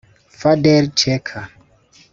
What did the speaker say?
Fadel Chaker